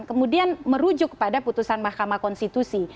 kemudian merujuk kepada putusan mahkamah konstitusi